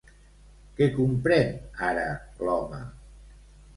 Què comprèn ara l'home?